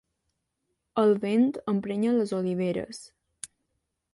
El vent emprenya les oliveres.